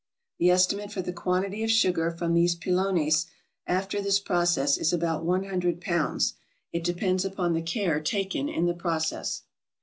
The estimate for the quantity of sugar from these pilones after this process is about one hun dred pounds ; it depends upon the care taken in the process.